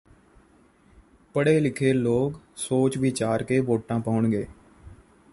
ਪੜ੍ਹੇ ਲਿਖੇ ਲੋਕ ਸੋਚ ਵਿਚਾਰ ਕੇ ਵੋਟਾਂ ਪਾਉਣਗੇ